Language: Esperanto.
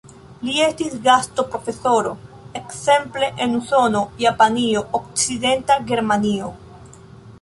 Li estis gastoprofesoro ekzemple en Usono, Japanio, Okcidenta Germanio.